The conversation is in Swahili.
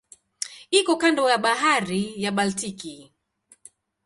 Iko kando ya Bahari ya Baltiki.